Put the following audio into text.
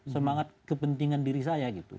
semangat kepentingan diri saya